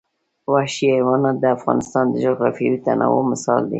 وحشي حیوانات د افغانستان د جغرافیوي تنوع مثال دی.